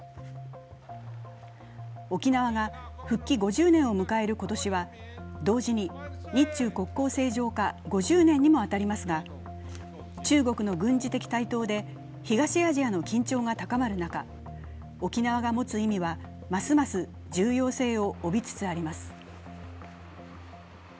沖縄が復帰５０年を迎える今年は、同時に日中国交正常化５０年にも当たりますが、中国の軍事的台頭で東アジアの緊張が高まる中沖縄が持つ意味は、ますます重要性を帯びつつあります。